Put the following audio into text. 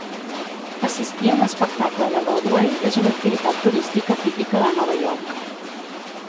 Assistir a un espectacle de Broadway és una activitat turística típica a Nova York.